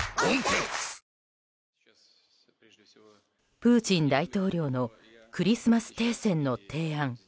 プーチン大統領のクリスマス停戦の提案。